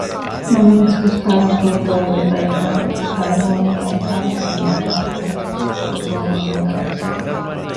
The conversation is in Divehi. ނަމަވެސް ހުސް ދަޅު އިނގޭތޯއެވެ! ބައެއްފަހަރު ދަޅުގޯނީގައި ހިސާބަކަށް ނިވާކަންކުޑަ ފޮޓޯ ހުންނަ ދަޅުވެސް ހުރޭ